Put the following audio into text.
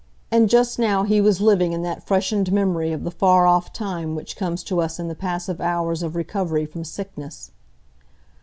And just now he was living in that freshened memory of the far off time which comes to us in the passive hours of recovery from sickness.